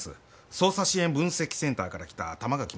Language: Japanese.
捜査支援分析センターから来た玉垣松夫です。